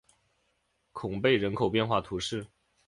孔贝人口变化图示